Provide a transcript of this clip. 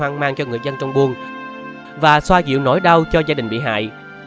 vụ trông án mang cho người dân trong buôn và xoa dịu nỗi đau cho gia đình bị hại